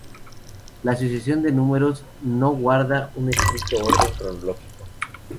La asignación de números no guarda un estricto orden cronológico.